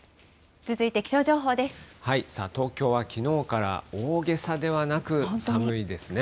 東京はきのうから大げさではなく寒いですね。